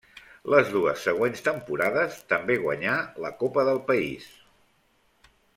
Les dues següents temporades també guanyà la copa del país.